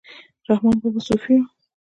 رحمان بابا صوفي و